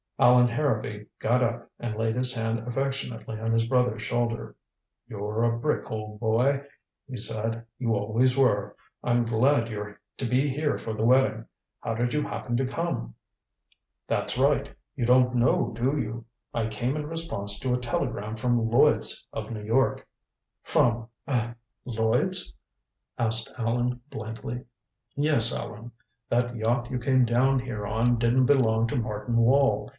Allan Harrowby got up and laid his hand affectionately on his brother's shoulder. "You're a brick, old boy," he said. "You always were. I'm glad you're to be here for the wedding. How did you happen to come?" "That's right you don't know, do you? I came in response to a telegram from Lloyds, of New York." "From er Lloyds?" asked Allan blankly. "Yes, Allan. That yacht you came down here on didn't belong to Martin Wall.